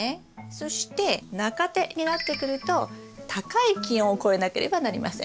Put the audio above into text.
そして中生になってくると高い気温を越えなければなりません。